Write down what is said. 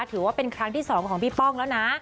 ถือว่าเป็นครั้งที่๒ของพี่ป้องแล้วนะ